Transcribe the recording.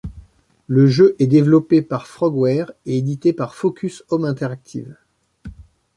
Le jeu est développé par Frogwares et édité par Focus Home Interactive.